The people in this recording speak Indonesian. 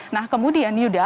nah kemudian yuda